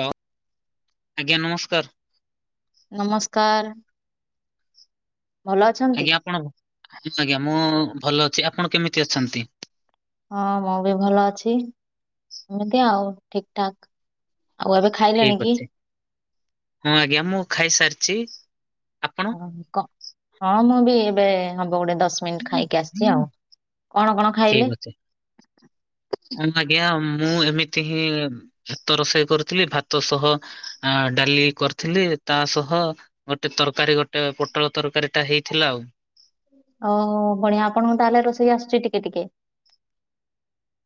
Hello ଆଜ୍ଞା ନମସ୍କାର। ନମସ୍କାର। ଭଲ ଅଛନ୍ତି? ଆଜ୍ଞା ଆପଣ ଭ ଆଜ୍ଞା ମୁଁ ଭଲ ଅଛି ଆପଣ କେମିତି ଅଛନ୍ତି? ହଁ ମୁଁ ବି ଭଲ ଅଛି ଏମିତି ଆଉ ଠିକ ଠାକ୍। ଠିକ ଅଛି ହଁ ଆଜ୍ଞା ମୁଁ ଖାଇସାରିଚି। ହଁ କ ହଁ ମୁଁ ବି ଏବେ ହବ ଗୋଟେ ଦଶ ମିନିଟ ଖାଇକି ଆସିଛି ଆଉ। କଣ କଣ? ଖାଇଲେ? ଠିକ୍ ଅଛି। [inaudible] ହଁ ଆଜ୍ଞା ମୁଁ ଏମିତି ହିଁ ଭାତ ରୋଷେଇ କରିଥିଲି। ଭାତ ସହ ଡାଲି କରିଥିଲି। ତା ସହ ଗୋଟେ ତରକାରୀ ଗୋଟେ ପୋଟଳ ତରକାରୀ ଟା ହେଇଥିଲା ଆଉ। ଓ ଭଢିଆ ଆପଣଙ୍କୁ ତାହେଲେ ରୋଷେଇ ଆସୁଚି ଟିକେ ଟିକେ।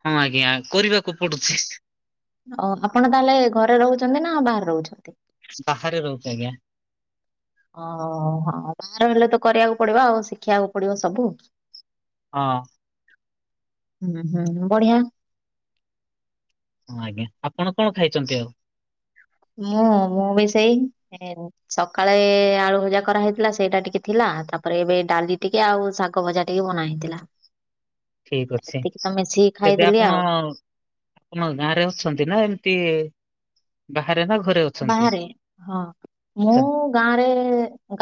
ହଁ ଆଜ୍ଞା କରିବାକୁ ପଡୁଛି। ଓ ଆପଣ ତାହେଲେ ଘରେ ରହୁଛନ୍ତି ନା ବାହାରେ ରହୁଛନ୍ତି? ବାହାରେ ରହୁଚି ଆଜ୍ଞା। ଓହୋ ବାହାରେ ରହିଲେ ତ କରିବାକୁ ପଡିବ ଆଉ ଶିଖିବାକୁ ପଡିବ ସବୁ। ହଁ। ହୁଁ ହୁଁ ବଢିଆ। ହଁ ଆଜ୍ଞା ଆପଣ କଣ ଖାଇଛନ୍ତି ଆଉ? ମୁଁ ମୁଁ ବି ସେଇ ସକାଳେ ଆଳୁ ଭଜା କରା ହେଇଥିଲା ସେଇଟା ଟିକେ ଥିଲା ତାପରେ ଏବେ ଡାଲି ଟିକେ ଆଉ ଶାଗ ଭଜା ଟିକେ ବନା ହେଇଥିଲା। ଠିକ ଅଛି ଏତିକି ତ ମିଶିକି ଖାଇଦେଲି ଆଉ। ଆମ ଗାଁ ରେ ଅଛନ୍ତି ନା ଏମିତି ବାହାରେ ନା ଘରେ ଅ ବାହାରେ ହଁ। ମୁଁ ଗାଁରେ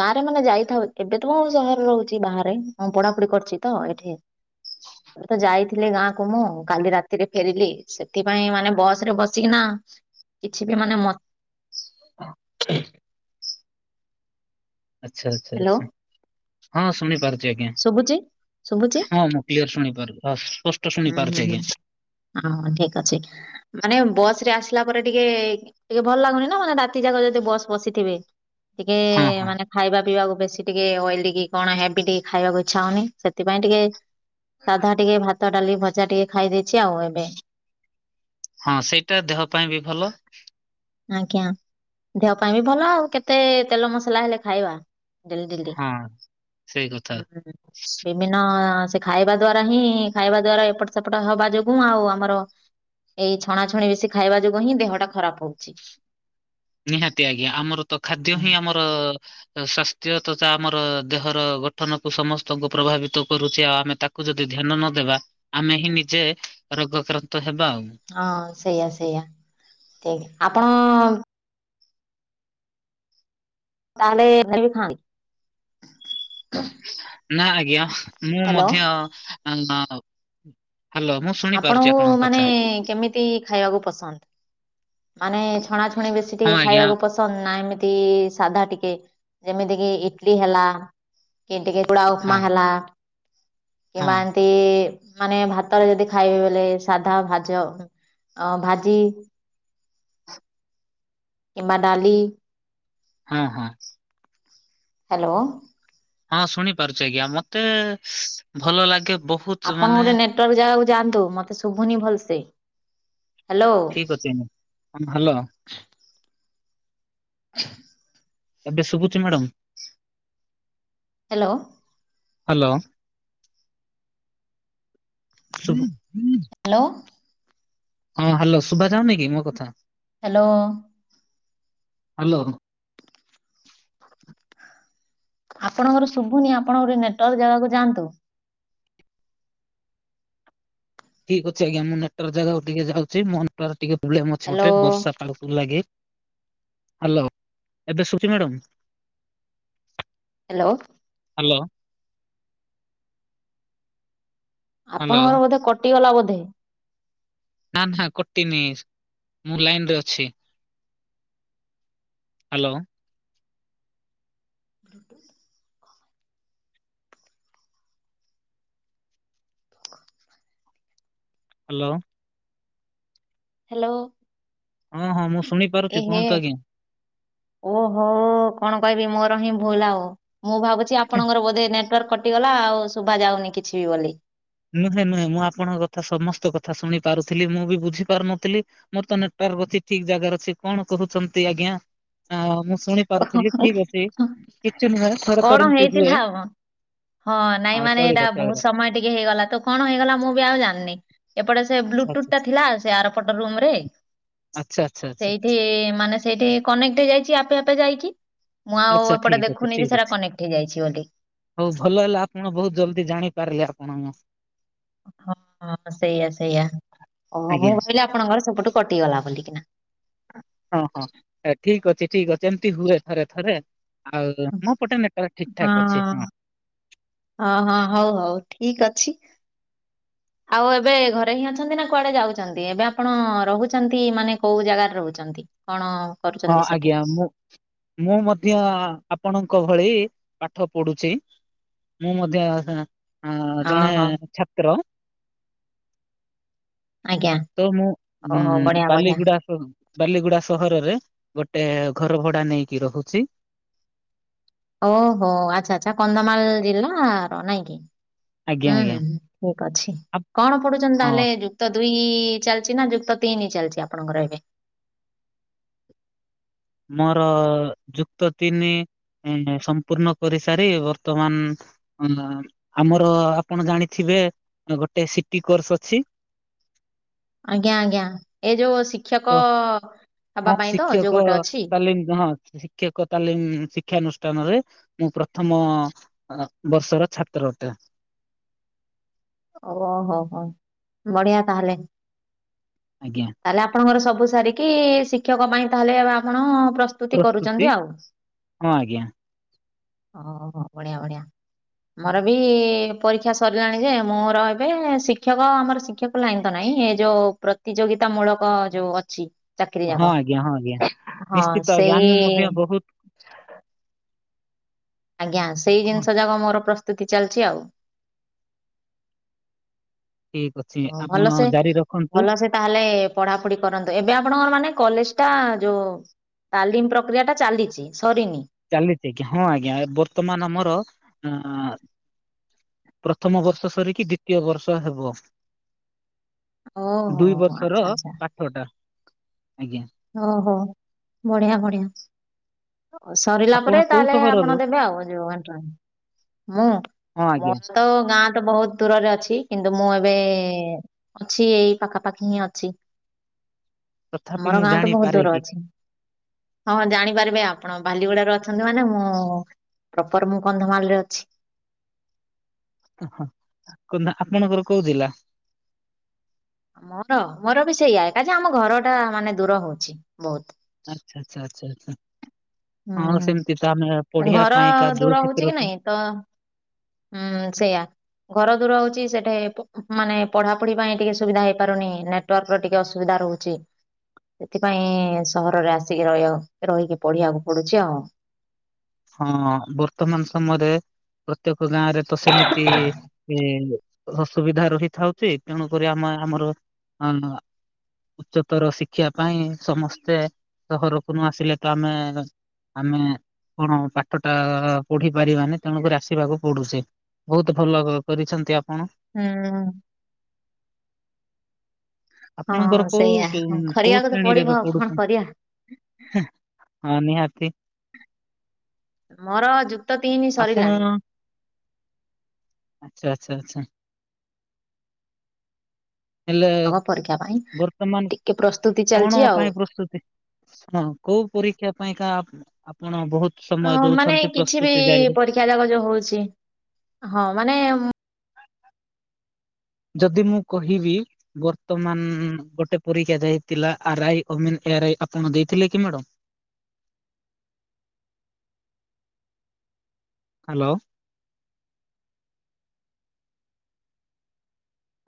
ଗାଁରେ ମାନେ ଯାଇଥାଉ ଏବେ ତମୁଁ ସହରରେ ରହୁଛି ବାହାରେ। ହଁ ପଢାପଢି କରିୁଚି ତ ଏଠି। ତ ଯାଇଥିଲି ଗାଁକୁ ମୁଁ କାଲି ରାତିରେ ଫେରିଲି। ସେଥିପାଇଁ ମାନେ ବସ ରେ ବସିକିନା କିଛି ବି ମାନେ ମ [inaudible] ଆଛା ଆଚ୍ଛା ହ୍ୟାଲୋ ଆଛା ହଁ ଶୁଣିପାରୁ ଚି ଆଜ୍ଞା ଶୁଭୁଛି ଶୁଭୁଛି ହଁ ମୁଁ କ୍ଲିୟର ଶୁଣି ପାରୁଅ ସ୍ପଷ୍ଟ ଶୁଣି ହୁଁ ହୁଁ ପାରୁଚି ହୁଁ ଆଜ୍ଞା। ହଁ ଠିକ ଅଛି ମାନେ ବସ ରେ ଆସିଲା ପରେ ଟିକେ ଟିକେ ଭଲ ଲାଗୁନି ନା ମାନେ ରାତି ଯାକ ଯଦି ବସ ବସିଥିବେ। ଟିକେ ହଁ ହଁ। ମାନେ ଖାଇବା ପିଇବାକୁ ବେଶୀ ଟିକେ ଅଏଲି କି କଣ ହେବି ଟିକ ଖାଇବାକୁ ଇଚ୍ଛା ହଉନି ସେଥିପାଇଁ ଟିକେ ସାଧା ଟିକେ ଭା ତ ଡାଲି ଭଜା ଟିକେ ଖାଇ ଦେଇଛି ଆଉ ଏବେ। ହଁ ସେଇଟା ଦେହ ପାଇଁ ବି ଭଲ। ଆଜ୍ଞା ଦେହ ପାଇଁ ବି ଭଲ ଆଉ କେତେ ତେଲ ମସଲା ହେଲେ ଖାଇବା। ଡେଲି ଡେଲି ହଁ ସେଇ କଥା ହୁଁ ହୁଁ ବି ଭିନ୍ନ ସେ ଖାଇବା ଦ୍ଵାରା ହିଁ ଖାଇବା ଦ୍ଵାରା ଏପଟ ସେପଟ ହବା ଯୋଗୁଁ ଆଉ ଆମର ଏଇ ଛଣାଛଣି ବେଶୀ ଖାଇବା ଯୋଗୁ ହିଁ ଦେହଟା ଖରାପ ହଉଚି। ନିହାତି ଆଜ୍ଞା ଆମର ତ ଖାଦ୍ୟ ହିଁ ଆମର ସ୍ୱାସ୍ଥ୍ୟ ତଥା ଆମର ଦେହର ଗଠନକୁ ସମସ୍ତଙ୍କୁ ପ୍ରଭାବିତ ଆଉ ଆମେ ତା କୁ ଯଦି ଧ୍ୟାନ ନଦବା ଆମେ ହିଁ ନିଜେ ରୋଗକ୍ରାନ୍ତ ହେବା ଆଉ ହଁ ସେଇଆ ସେଇଆ ଠିକ୍ ଆପଣ ତାହେଲେ [unintelligible] ନା ଆଜ୍ଞା ମୁଁ ହ୍ୟାଲୋ ମଧ୍ୟ ହାଲୋ ମୁଁ ଶୁଣି ପାରୁଛି ଆପଣଙ୍କୁ ଆପଣଙ୍କ ମାନେ କଥା କେମିତି ଖାଇବାକୁ ପସନ୍ଦ। ମାନେ ଛଣାଛଣି ବେଶୀ ହଁ ଟିକେ ଆଜ୍ଞା ଖାଇବାକୁ ପସ ନ୍ଦ ନା ଏମିତି ସାଧା ଟିକେ ଯେମିତି କିି ଇଟଲି ହେଲା କି ଟିକେ ଚୁଡ଼ା ଉପମା ହଁ ହେଲା ହଁ କିମ୍ବା ଏ ମିତି ମାନେ ଭାତରେ ଯଦି ଖାଇବେ ବୋଲେ ସାଧା ଭାଜ ଅ ଭାଜି। କିମ୍ବା ଡାଲି। ହଁ ହଁ। ହାଲୋ। ହଁ ଶୁଣିପାରୁଛି ଆଜ୍ଞା ମତେ ଭଲ ଲାଗେ ବହୁ ଆପଣ ଗୋଟେ ନେଟୱାର୍କ ଜାଗାକୁ ଯାଆନ୍ତୁ ମତେ ଶୁଭୁନି ଭଲସେ। ହ୍ୟାଲୋ ଠିକ ଅଛି ମାମ୍ ହାଲୋ। [inaudible] ଏବେ ଶୁଭୁଛି ମ୍ୟାଡ଼ାମ। ହାଲୋ। ହାଲୋ ଶୁବୁ ହାଲୋ। ହଁ ହାଲୋ ସୁଭା ଯାଉନି କି ମୋ କଥା। ହାଲୋ। ହାଲୋ। ଆପଣଙ୍କର ଶୁଭୁନି ଆପଣ ଗୋଟେ ନେଟୱାର୍କ ଜାଗାକୁ ଯାଆନ୍ତୁ। ଠିକ ଅଛି ଆଜ୍ଞା ମୁଁ ନେଟୱାର୍କ ଜାଗା ଟିକେ ଯାଉଛି ମ ନେଟୱାର୍କ ଟିକ ପ୍ରୋବଲେମ୍ ଅଛି ଗୋଟେ ହ୍ୟାଲୋ ବର୍ଷା ପାଗ ଲାଗି ହ୍ୟାଲୋ ଏବେ ସୁଭୁଛି ମ୍ୟାଡାମ। ହାଲୋ। ହାଲୋ। ହ୍ୟାଲୋ ଆପଣଙ୍କର ବୋଧେ କଟିଗଲା ବୋଧେ। ନା ନା କଟିନି ମୁଁ ଲାଇନରେ ଅଛି। ହାଲୋ। [inaudible] ହାଲୋ। ହାଲୋ। ହଁ ହଁ ମୁଁ ଶୁଣିି ଏହ ଓ ହୋ କଣ କହିବି ମୋର ହିଁ ଭୁଲ ଆଉ। ମୁଁ ଭାବୁଛି ଆପଣଙ୍କର ବୋଧେ ନେଟୱାର୍କ କଟିଗଲା ଆଉ ଶୁଭା ଯାଉନି କିଛିି ବି ବୋଲି। ନୁହେଁ ନୁହେଁ ମୁଁ ଆପଣଙ୍କ କଥା ସମସ୍ତ କଥା ଶୁଣି ପାରୁଥିଲି ମୁଁ ବି ବୁଝି ପାରୁନଥିଲି ମୋର ତ ନେଟୱାର୍କର ଅଛି ଠିକ ଜାଗାରେ ଅଛି କଣ କହୁଚନ୍ତି ଆଜ୍ଞା? ହଁ ମୁଁ ଶୁଣି ପାରୁଥିଲି। ଠିକ୍ ଅଛି କିଛି ନୁହେଁ। ଥରେ ଥରେ କଣ ଏମିତି ହୁଏ। ହେଇଥିଲା ଆଉ ହଁ ନାଇଁ ମାନେ ଚଳିବ ଏଇଟା ବୋହୁତ ଚଳିବ ସମୟ ଟିକେ ହେଇଗଲା ତ କଣ ହେଇଗଲା ମୁଁ ବି ଆଉ ଜାଣିନି। ଏପଟେ ସେ ଆଚ୍ଛା ଆଚ୍ଛା ବ୍ଲୁଟୁଥଟା ଥିଲା। ସେ ଆରପଟ ରୁମରେ ଆଚ୍ଛା ଆଚ୍ଛା ଆଚ୍ଛା। ସେଇଠି ମାନେ ସେଇଠି କନେକ୍ଟ ହେଇଯାଇଚି ଆପେ ଆପେ ଯାଇକି। ମୁଁ ଆଉ ଆଚ୍ଛା ଏପଟେ ଠିକ ଦେଖୁନି ଯେ ସେଇଟା କନେକ୍ଟ ହେଇଯାଇଛି ବୋଲି। ହୋଉ ଭଲ ହେଲା ଆପଣ ବୋହୁତ ଜଲଦି ଜାଣିପାରିଲେ ଆପଣ। ହଁ ସେଇଆ ସେଇଆ ଓ ମୁଁ ଆଜ୍ଞା। ଭାବିଲି ଆପଣଙ୍କର ସବୁଠୁ କଟିଗଲା ବୋଲିକିନା। ହଁ ହଁ ଏ ଠିକ ଅଛି ଠିକ ଅଛି। ଏମିତି ହୁଏ ଥରେ ଥରେ। ଆଉ ମୋ ପଟେ ନେଟୱାର୍କ ଠିକ ଠାକ ଅଛି ହଁ। ଅହଁ ହୋଉ ହୋଉ ଠିକ ଅଛି। ଆଉ ଏବେ ଘରେ ହିଁ ଅଛନ୍ତି ନା କୁଆଡେ ଯାଉଛନ୍ତି ଏବେ ଆପଣ ରହୁଛନ୍ତି ମାନେ କୋଉ ଜାଗାରେ ରହୁଛନ୍ତି? କଣ ହଁ କରୁଛନ୍ତି ସେଠି? ଆଜ୍ଞା ମୁଁ ମୁଁ ମଧ୍ୟ ଆପଣଙ୍କ ଭଳି ପାଠ ପଢୁଛି। ମୁଁ ମଧ୍ୟ ଆ ଆଁ ଜଣେ ଓହୋ। ଛାତ୍ର। ଆଜ୍ଞା ତ ମୁଁ ଉଁ ଓହୋ ବଢିଆ ବଢିଆ ବାଲିଗୁଡାକ ବାଲିଗୁଡା ସହରରେ ଗୋଟେ ଘର ଭଡା ନେଇକି ରହୁଛି। ଓହୋ ଆଛା ଆଛା କନ୍ଧମାଳ ଜିଲ୍ଲାର ନାଇଁ କିି? ଆଜ୍ଞା ହୁଁ ହୁଁ ଆଜ୍ଞା ହୁଁ ଠିକ ଅଛି ଆପ- କଣ ପଡୁଛନ୍ତି ହଁ ତାହେଲେ ଯୁ ଯୁକ୍ତ ଦୁଇ ଚାଲିଚି ନା ଯୁକ୍ତ ତିନି ଚାଲିଚି ଆପଣଙ୍କର ଏବେ? ମୋର ଯୁକ୍ତ ତିନି ସମ୍ପୂର୍ଣ କରିସାରି ବର୍ତ୍ତମାନ ଅ ଆମର ଆପଣ ଜାଣିଥିବେ ଗୋଟେ ସିଟି କୋର୍ସ ଅଛି? ଆଜ୍ଞା ଆଜ୍ଞା ଏ ଯୋଉ ତ ଶିକ୍ଷକ ହବା ହଁ ପାଇଁ ତ ଯୋଉ ଶିକ୍ଷକ ଗୋଟେ ଅଛି ତାଲିମ ହଁ। ଶିକ୍ଷକ ତାଲିମ ଶିକ୍ଷାନୁଷ୍ଠାନରେ ମୁଁ ପ୍ରଥମ ଆ ବର୍ଷର ଛାତ୍ର ଅଟେ। ଓହୋ ହୋ ବଢିଆ ତାହଲେ। ଆଜ୍ଞା। ତାହେଲେ ଆପଣଙ୍କର ସବୁ ସାରିକି ଶିକ୍ଷକ ପାଇଁ ତାହେଲେ ଏବେ ଆପଣ ପ୍ର ସ୍ତୁତି ପ୍ରସ୍ତୁତି କରୁଚନ୍ତି ଆଉ ହଁ ଆଜ୍ଞା ହଁ ହୋ ବଢିଆ ବଢିଆ। ମୋର ବି ପରୀକ୍ଷା ସରିଲାଣି ଯେ ମୁଁର ରହିବେ ଶିକ୍ଷକ ଆମର ଶିକ୍ଷକ ଲାଇନ୍ ତ ନାଇଁ ଏ ଯୋଉ ପ୍ରତିଯୋଗିତା ମୂଳକ ଯୋଉ ଅଛି। ଚାକିରିୀ ହଁ ଯାକ ଆଜ୍ଞା ହଁ ଆଜ୍ଞା ହଁ ନିଶ୍ଚିତ ଆଜ୍ଞା ସେଇ ଆମେ ମଧ୍ୟ ବହୁତ ଆଜ୍ଞା ସେଇ ହଁ ଜିନିଷ ଯାକ ମୋର ପ୍ରସ୍ତୁତି ଚାଲିଚି ଆଉ। ଠିକ ଅଛି ହଁ ଭଲ ଆପଣ ସେ ଜାରି ରଖନ୍ତୁ ଭଲ ସେ ତାହେଲେ ପଢାପଢି କରନ୍ତୁ ଏବେ ଆପଣଙ୍କର ମାନେ କଲେଜ ଟା ଯୋଉ ତାଲିମ ପ୍ରକ୍ରିୟା ଟା ଚାଲିଚି ସରିନି? ଚାଲିଚି ଆଜ୍ଞା ହଁ ଆଜ୍ଞା ବର୍ତ୍ତମାନ ଆମର ଅ ପ୍ରଥମ ବର୍ଷ ସରିକି ଦ୍ଵିତୀୟ ବର୍ଷ ହେବ। ଦୁଇ ଓହୋ ବର୍ଷର ଆଚ୍ଛା ଆଚ୍ଛା ପାଠ ଟା ଆଜ୍ଞା। ଓହୋ ବଢିଆ ବଢିଆ। ଉ ସରିଲା ପରେ ଆପଣ କୋଉ ତାହେଲେ ସହରରୁ ଆପଣ ଦେବେ ଆଉ ଯୋଉ ଏନ୍ଟ୍ରାନ୍ସ ମୁଁ ହଁ ଆଜ୍ଞା ମୋର ତ ଗାଁ ତ ବହୁତ ଦୂରରେ ଅଛି କିନ୍ତୁ ମୁଁ ଏବେ ଅଛି ଏଇ ପାଖାପାଖି ହିଁ ଅଛି। ତଥାପି ମୁଁ ଜାଣି ବହୁତ୍ ଦୂର ଅଛି। ହଁ ଜାଣିପାରିବେ ଆପଣ ବାଲିଗୁଡାରେ ଅଛନ୍ତି ମାନେ ମୁଁ ପ୍ରପର ମୁଁ କନ୍ଧମାଳ ରେ ଅଛି। ଓହୋ କନ୍ଧ ଆପଣଙ୍କର କୋଉ ଜିଲ୍ଲା? ମୋର ମୋର ବି ସେଇଆ ଏକା ଯେ ଆମ ଘର ଟା ମାନେ ଦୂର ହୋଉଚି ବୋହୁତ। ଆଚ୍ଛା ଆଚ୍ଛା ଆଚ୍ଛା ଆଚ୍ଛା ହୁଁ ହଁ ହୁଁ। ସେମିତି ତ ଆମେ ପଢିବା ଘର ପାଇଁକା ଦୂର ଯୋଉ ହଉଛି କି କ୍ଷେତ୍ରକୁ ନାଇଁ ତ ହୁଁ ସେୟା। ଘର ଦୂର ହୋଉଚି ସେଠି ପ ମାନେ ପଢାପଢି ପାଇଁ ଟିକେ ସୁବିଧା ହେଇପାରୁନି ନେଟ୍ ନେଟୱାର୍କର ଟିକେ ଅସୁବିଧା ରହୁଚି। ସେଥିପାଇଁ ସହରରେ ଆସିକି ରହିଆକୁ ରହିକି ପଢିବାକୁ ପଡୁଛି ଆଉ। ହଁ ବର୍ତ୍ତମାନ ସମୟରେ ପ୍ରତ୍ୟେକ ଗାଁରେ ତ ସେମିତି ଏ ଅସୁବିଧା ରହିଥାଉଚି ତେଣୁକରି ଆମେ ଆମର ଅଁ ଉଚ୍ଚତର ଶିକ୍ଷା ପାଇଁ ସମସ୍ତେ ସହରକୁ ନ ଆସିଲେ ତ ଆମେ ଆମେ କଣ ପାଠଟା ପଢି ପାରିବାନି ତେଣୁକରି ଆସିବାକୁ ପଡୁଚି। ବୋହୁତ ଭଲ କ କରିଛନ୍ତି ଆପଣ। ହୁଁ। ଆପଣଙ୍କର ହଁ କୋଉ ସେଇଆ ହଁ, କୋ-କୋଉ କରିବାକୁ ତ ଶ୍ରେଣୀରେ ପଡିବ ଏବେ ଆଉ କଣ ପଢୁଛ କରିବା। ହଁ ନିହାତି। ମୋର ଯୁକ୍ ଆପଣ ଆଚ୍ଛା ଆଚ୍ଛା ଆଚ୍ଛା। ହେଲେ ହଁ ପରୀକ୍ଷା ପାଇଁ ବର୍ତ୍ତମାନ ଟିକେ ପ୍ରସ୍ତୁତି କଣ ଚାଲଚି ଆଉ। ପାଇଁ ପ୍ରସ୍ତୁତି ହଁ କୋଉ ପରୀକ୍ଷା ପାଇଁକା ଆ ଆପଣ ବୋହୁତ ଅ ମାନେ କିଛି ବି ପରୀକ୍ଷା ଯାକ ଯୋଉ ହୋଉଛି ହଁ ମାନେ ଯଦି ମୁଁ କହିବି ବର୍ତ୍ତମାନ ଗୋଟେ ପରୀକ୍ଷା ଯାଇଥିଲା ଆର ଆଇ ଅମିନ ଏ ଆର୍ ଆଇ ଆପଣ ଦେଇଥିଲେ କି ମ୍ୟାଡ଼ାମ? ହାଲୋ?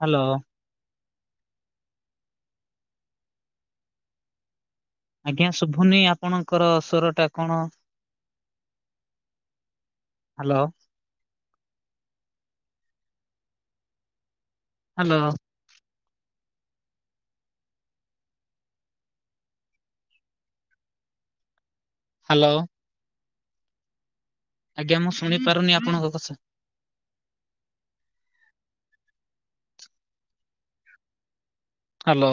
ହାଲୋ? ଆଜ୍ଞା ଶୁଭୁନି ଆପଣଙ୍କର ସ୍ଵରଟା କଣ? ହାଲୋ। ହାଲୋ। ହାଲୋ। ଆଜ୍ଞା ମୁଁ ଶୁଣି ପାରୁନି ଆପଣଙ୍କ କଥା। ହାଲୋ?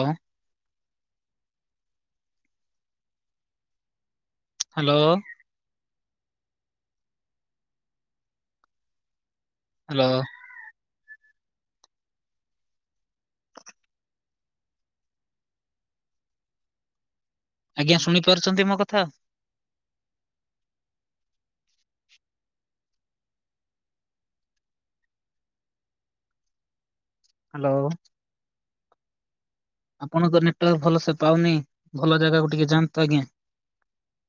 ହାଲୋ? ହାଲୋ? ଆଜ୍ଞା ଶୁଣି ପାରୁଚନ୍ତି ମୋ କଥା? ହାଲୋ? ଆପଣଙ୍କ ନେଟୱାର୍କ ଭଲସେ ପାଉନି ଭଲ ଜାଗାକୁୁ ଟିକେ ଯାଆନ୍ତୁ ଆଜ୍ଞା।